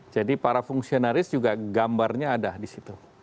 jadi para fungsionaris juga gambarnya ada disitu